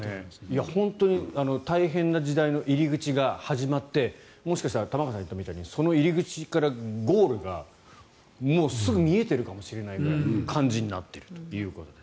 本当に大変な時代の入り口が始まってもしかしたら玉川さんが言ったみたいにその入り口からゴールがもうすぐ見えているかもしれないという感じになっているということです。